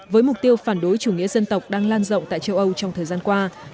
với mục tiêu phản đối chủ nghĩa dân tộc đang lan rộng tại châu âu trong thời gian qua